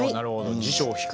「辞書を引く」